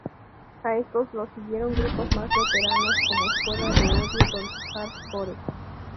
A estos los siguieron grupos más veteranos como Escuela de Odio con su hardcore.